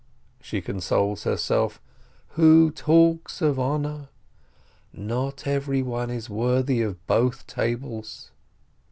she consoles herself, "who talks of honor? Not every one is worthy of both tables